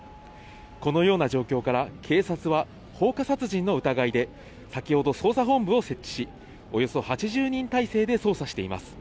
このような状況から警察は放火殺人の疑いで、先ほど捜査本部を設置し、およそ８０人態勢で捜査しています。